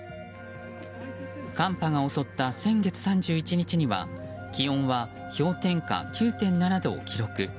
寒波が襲った先月３１日には気温は氷点下９．７度を記録。